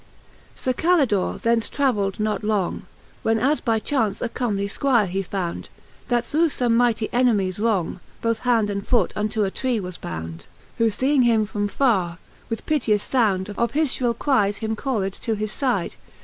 XI. Sir Calidore thence travelled not long, When as by chauncea comely Squire he found. That thorough fome more mighty enemies wrong. Both hand and foote unto a tree was bound; Who feeing him from farre, with piteous found Of his fhrill cries him called to his aide.